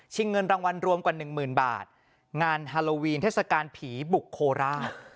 เงินรางวัลรวมกว่าหนึ่งหมื่นบาทงานฮาโลวีนเทศกาลผีบุกโคราช